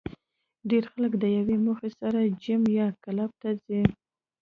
ډېری خلک د یوې موخې سره جېم یا کلب ته ځي